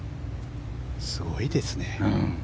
すごいですね。